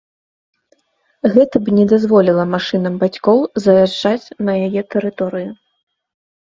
Гэта б не дазволіла машынам бацькоў заязджаць на яе тэрыторыю.